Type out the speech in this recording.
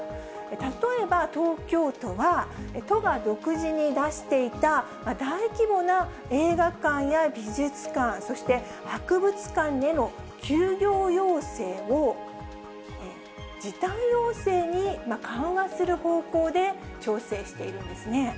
例えば東京都は、都が独自に出していた大規模な映画館や美術館、そして博物館への休業要請を、時短要請に緩和する方向で調整しているんですね。